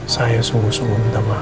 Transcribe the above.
saya sungguh sungguh minta maaf